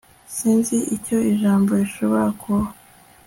sinzi icyo ijambo rishobora kuba